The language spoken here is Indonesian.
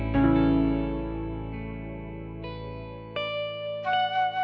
kamu juga sama